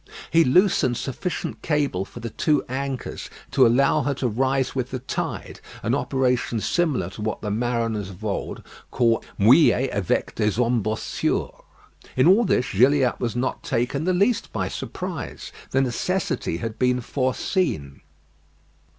He loosened sufficient cable for the two anchors to allow her to rise with the tide; an operation similar to what the mariners of old called "mouiller avec des embossures." In all this, Gilliatt was not taken the least by surprise; the necessity had been foreseen.